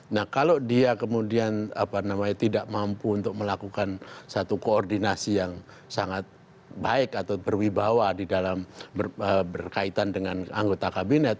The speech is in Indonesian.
nah kalau dia kemudian tidak mampu untuk melakukan satu koordinasi yang sangat baik atau berwibawa di dalam berkaitan dengan anggota kabinet